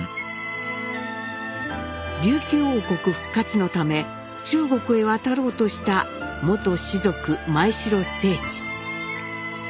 琉球王国復活のため中国へ渡ろうとした元士族前城正知。